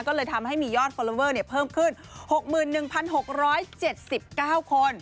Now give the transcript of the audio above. ก็เลยทำให้มียอดฟอลลอเวอร์เพิ่มขึ้น๖๑๖๗๙คน